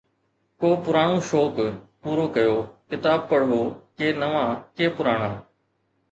ڪو پراڻو شوق پورو ڪيو، ڪتاب پڙهو، ڪي نوان، ڪي پراڻا